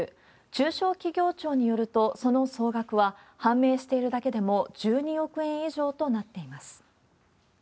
中小企業庁によると、その総額は判明しているだけでも１２億円以上となっています。